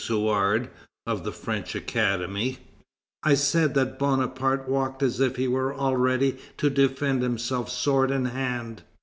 Suard, of the French Academy, I said that Bonaparte walked as if he were always ready to defend himself sword in hand.